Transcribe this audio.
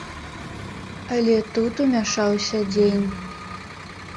Але тут умяшаўся дзень.